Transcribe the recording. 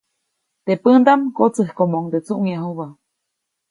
Teʼ pändaʼm kotsäjkomoʼuŋde tsuʼŋyajubä.